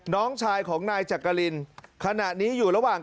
น้องชายของนายจักรินขณะนี้อยู่ระหว่าง